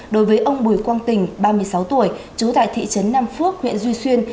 đối với ông bùi quang tình ba mươi sáu tuổi trú tại thị trấn nam phước huyện duy xuyên